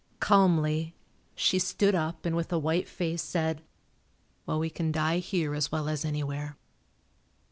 Calmly, she stood up and with a white face said. "Well we can die here as well as anywhere."